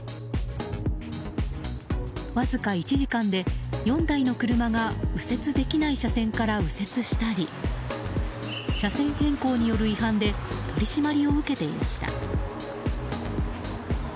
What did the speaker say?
わずか１時間で４台の車が右折できない車線から右折したり車線変更による違反で取り締まりを受けていました。